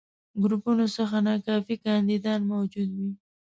ګروپونو څخه ناکافي کانديدان موجود وي.